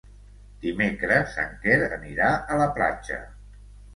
Dimecres en Quer anirà a la platja.